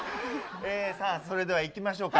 さあ、それではいきましょうか。